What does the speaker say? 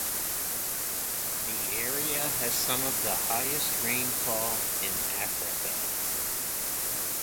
The area has some of the highest rainfall in Africa.